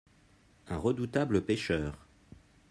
Un redoutable pêcheur.